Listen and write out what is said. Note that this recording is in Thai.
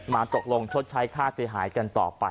ตกลงชดใช้ค่าเสียหายกันต่อไป